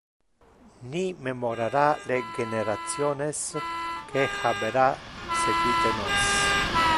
Ni memorara le generationes que habera sequite nos.